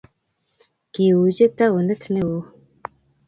kiuchi taunit neoo